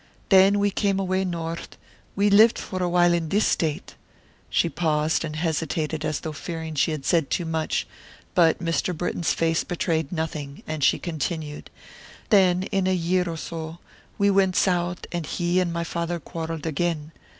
Then we came away north; we lived for a while in this State," she paused and hesitated as though fearing she had said too much, but Mr. Britton's face betrayed nothing, and she continued: "Then, in a year or so, we went south and he and my father quarrelled again.